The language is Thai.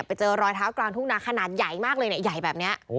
ไปเจอรอยเท้ากลางทุ่งนาขนาดใหญ่มากเลยเนี่ยใหญ่แบบนี้